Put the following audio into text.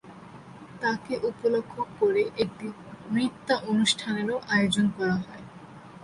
তাকে উপলক্ষ্য করে একটি নৃত্যানুষ্ঠানেরও আয়োজন করা হয়।